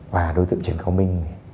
và đối tượng trần cao minh